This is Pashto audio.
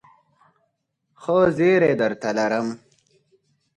ښه زېری درته لرم ..